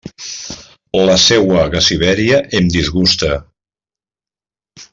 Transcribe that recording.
La seua gasiveria em disgusta.